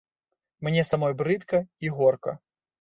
Мне самой брыдка і горка.